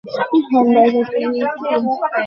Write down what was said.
তিনি বলেছেন, এটি একটি অসম্ভব ব্যাপার।